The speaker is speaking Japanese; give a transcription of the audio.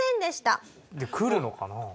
で来るのかな？